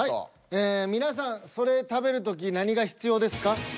ええ皆さんそれ食べる時何が必要ですか？